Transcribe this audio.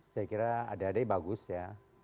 saya kira ada ada yang bagus ya